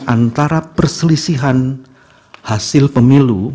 antara perselisihan hasil pemilu